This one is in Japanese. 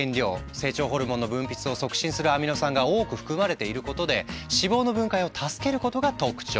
成長ホルモンの分泌を促進するアミノ酸が多く含まれていることで脂肪の分解を助けることが特徴。